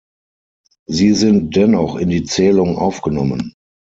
Sie sind dennoch in die Zählung aufgenommen.